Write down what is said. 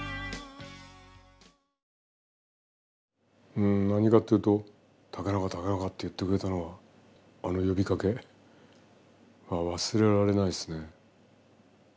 うん何かっていうと「竹中竹中」って言ってくれたのはあの呼びかけは忘れられないですね。